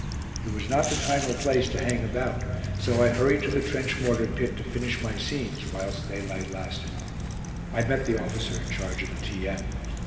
It was not the time or place to hang about, so I hurried to the trench mortar pit to finish my scenes whilst daylight lasted. I met the officer in charge of the T.M.